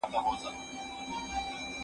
په هغه ورځ به يو لاس ورنه پرې كېږي